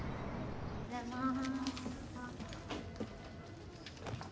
おはようございます。